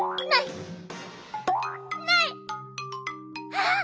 あっ！